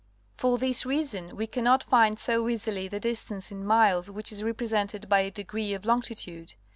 For this reason we cannot find so easily the dis tance in miles which is represented by a degree of longitude.